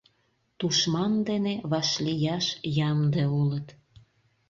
Тушман дене вашлияш ямде улыт.